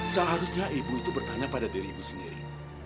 seharusnya ibu itu bertanya pada diri ibu sendiri